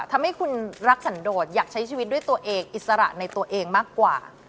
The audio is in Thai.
ทำให้คุณรักสันโดดอยากใช้ชีวิตด้วยตัวเองอิสระในตัวเองมากกว่า